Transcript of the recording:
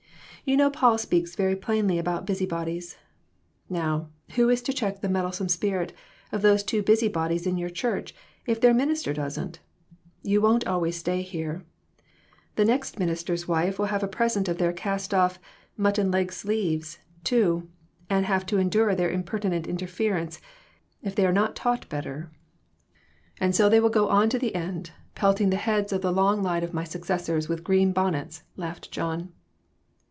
You know Paul speaks very plainly about busybodies. Now, who is to check the meddlesome spirit of these two busybodies in your church if their minister doesn't ? You won't always stay here. The next minister's wife will have a present of their cast off mutton leg sleeves, too, and have to endure their impertinent inter ference, if they are not taught better." RECONCILIATIONS. 12$ "And so they will go on to the end, pelting the heads of the long line of my successors with green bonnets," laughed John.